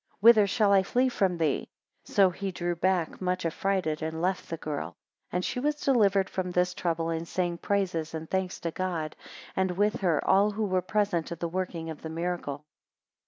Whither shall I flee from thee? 19 So he drew back much affrighted, and left the girl. 20 And she was delivered from this trouble, and sang praises and thanks to God, and with her all who were present at the working of the miracle.